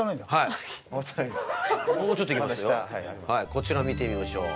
こちら見てみましょう。